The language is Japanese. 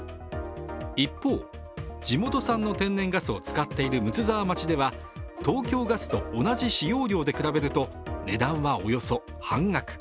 一方、地元産の天然ガスを使っている睦沢町では東京ガスと同じ使用量で比べると値段はおよそ半額。